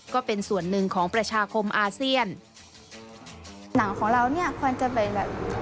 ก็เป็นส่วนหนึ่งของประชาคมอาเซียนหนังของเราเนี่ยควรจะไปแบบ